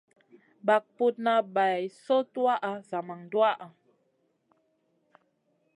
Bag putna bay soy tuwaʼa zaman duwaʼha.